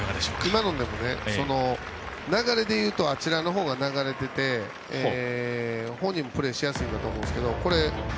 今のも、流れでいうとあちらの方が流れていてプレーしやすいと思うんですけど。